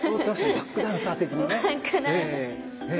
バックダンサー的にね。